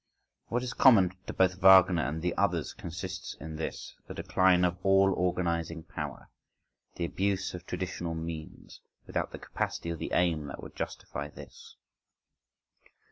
What is common to both Wagner and "the others" consists in this: the decline of all organising power, the abuse of traditional means, without the capacity or the aim that would justify this.